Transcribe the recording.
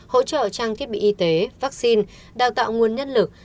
hỗ trợ trang thiết bị y tế vaccine đào tạo nguồn nhân lực